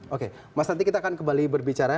oke mas nanti kita akan kembali berbicara